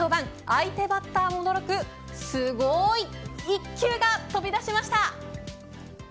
相手バッターも驚くすごい１球が飛び出しました。